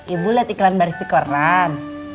ibu liat iklan baris di koran